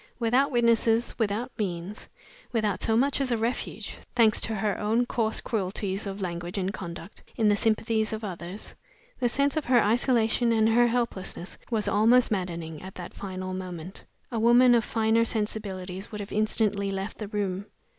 Without witnesses, without means, without so much as a refuge thanks to her own coarse cruelties of language and conduct in the sympathies of others, the sense of her isolation and her helplessness was almost maddening at that final moment. A woman of finer sensibilities would have instantly left the room.